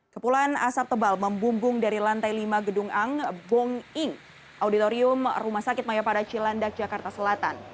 kepulan asap tebal membumbung dari lantai lima gedung ang bong ing auditorium rumah sakit mayapada cilandak jakarta selatan